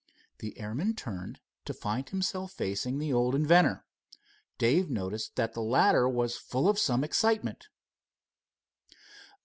The airman turned to find himself facing the old inventor. Dave noticed that the latter was full of some excitement.